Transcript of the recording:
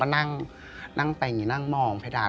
เราก็นั่งไปงี้นั่งมองเพื่อดาท